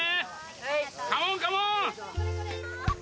カモンカモーン！